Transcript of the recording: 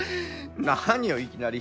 何よいきなり。